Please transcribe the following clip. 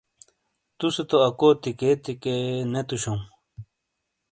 تُوسے تو اَکو تِیکے تِیکے نے تُوشَوں۔